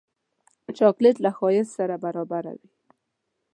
چاکلېټ له ښایست سره برابر وي.